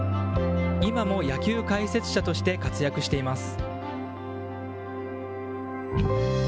今も野球解説者として活躍しています。